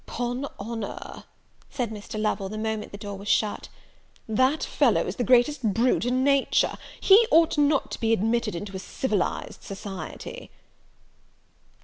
"'Pon honour," said Mr. Lovel, the moment the door was shut, "that fellow is the greatest brute in nature! he ought not to be admitted into a civilized society."